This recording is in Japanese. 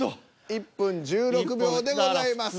１分１６秒でございます。